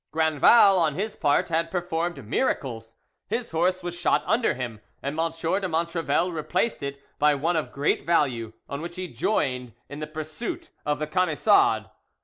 Grandval, on his part, had performed miracles: his horse was shot under him, and M. de Montrevel replaced it by one of great value, on which he joined in the pursuit of the Camisards.